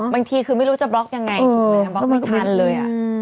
บางทีคือไม่รู้จะบล็อกยังไงบล็อกไม่ทันเลย